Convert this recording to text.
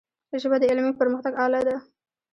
ژبه د علمي پرمختګ آله ده.